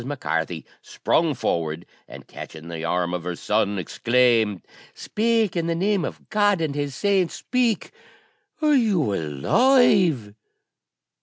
Mac Carthy sprung forward, and catching the arm of her son, exclaimed, "Speak! in the name of God and His saints, speak! are you alive?"